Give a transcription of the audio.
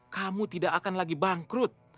kamu tidak akan lagi bangkrut